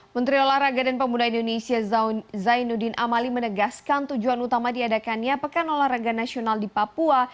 menteri olahraga dan pemuda indonesia zainuddin amali menegaskan tujuan utama diadakannya pekan olahraga nasional di papua